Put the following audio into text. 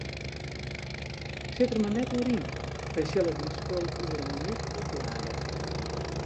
Sit der mar net oer yn, wy sille dyn spul oer in minút oplade.